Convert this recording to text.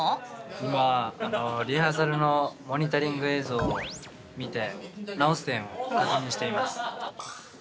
今リハーサルのモニタリング映像を見て直す点を確認していました。